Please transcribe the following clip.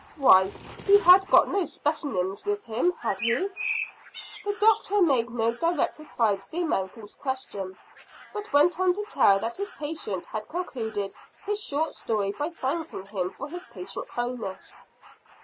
"Why, he had got no specimens with him, had he?" The doctor made no direct reply to the American's question, but went on to tell that his patient had concluded his short history by thanking him for his patient kindness.